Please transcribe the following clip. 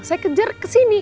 saya kejar ke sini